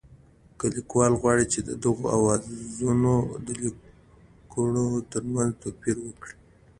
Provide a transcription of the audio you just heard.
که لیکوال غواړي چې د دغو آوازونو د لیکبڼو ترمنځ توپیر وکړي